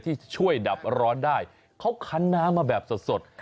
ที่ช่วยดับร้อนได้เขาคันน้ำมาแบบสด